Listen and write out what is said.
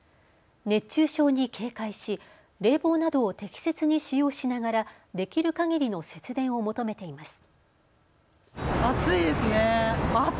熱中症に警戒し、冷房などを適切に使用しながらできるかぎりの節電を求めています。